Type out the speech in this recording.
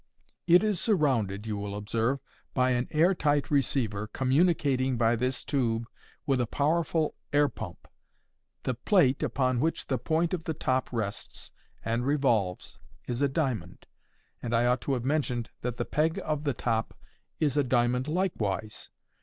It is surrounded you will observe, by an air tight receiver, communicating by this tube with a powerful air pump. The plate upon which the point of the top rests and revolves is a diamond; and I ought to have mentioned that the peg of the top is a diamond likewise.